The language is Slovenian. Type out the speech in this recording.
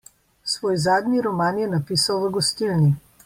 Svoj zadnji roman je napisal v gostilni.